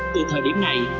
từ thời điểm này